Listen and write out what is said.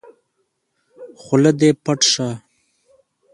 خوله دې پټّ شه!